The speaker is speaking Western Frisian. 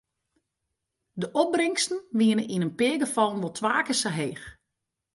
De opbringsten wiene yn in pear gefallen wol twa kear sa heech.